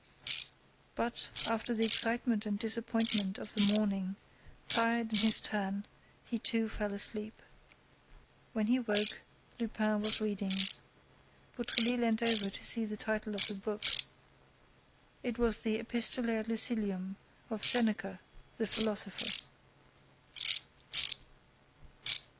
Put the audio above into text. But, after the excitement and disappointment of the morning, tired in his turn, he too fell asleep. When he woke, Lupin was reading. Beautrelet leant over to see the title of the book. It was the Epistolæ ad Lucilium of Seneca the philosopher.